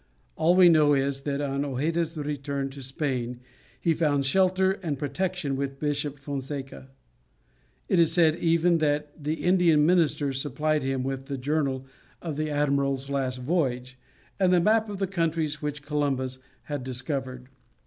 All we know is, that on Hojeda's return to Spain he found shelter and protection with Bishop Fonseca. It is said even that the Indian minister supplied him with the journal of the admiral's last voyage, and the map of the countries which Columbus had discovered.